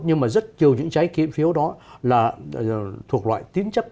nhưng mà rất nhiều những trái phiếu đó là thuộc loại tín chấp